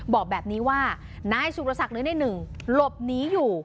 บอกแบบนี้ว่านายสุรศักดิ์หรือในหนึ่งหลบหนีอยู่